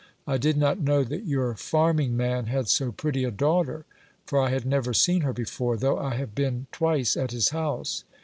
I did not know that your farming man had so pretty a daughter ; for I had never seen her before, though I have been twice at his house.